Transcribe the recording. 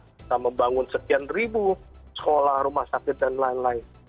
kita membangun sekian ribu sekolah rumah sakit dan lain lain